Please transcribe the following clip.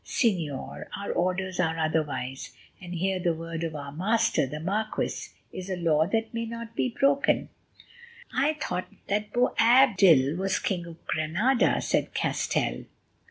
"Señor, our orders are otherwise, and here the word of our master, the marquis, is a law that may not be broken." "I thought that Boabdil was king of Granada," said Castell.